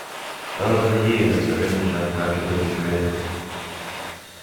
Over the years, her image has gradually degraded.